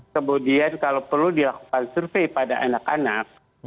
kemudian kalau perlu dilakukan survei pada anak anak